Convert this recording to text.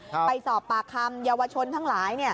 ไปสอบปากคำเยาวชนทั้งหลาย